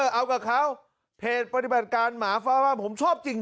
เอากับเขาเพจปฏิบัติการหมาเฝ้าบ้านผมชอบจริง